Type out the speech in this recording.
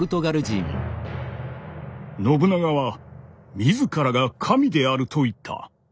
「信長は自らが『神』であると言った。